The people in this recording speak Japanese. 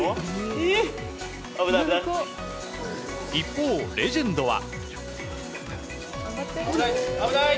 一方、レジェンドは。